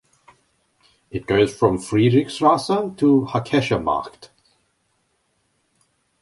It goes from Friedrichstraße to Hackescher Markt.